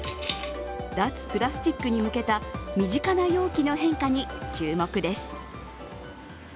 脱プラスチックに向けた身近な容器の変化に注目です。